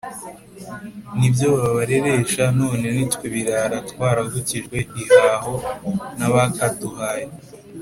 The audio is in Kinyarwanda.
n’ibyo babareresha none nitwe birara twaravukijwe ihaho n’abakaduhaye